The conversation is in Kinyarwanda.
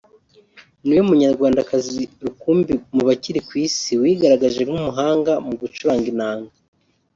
ni we Munyarwandakazi rukumbi mu bakiri ku Isi wigaragaje nk’umuhanga mu gucuranga inanga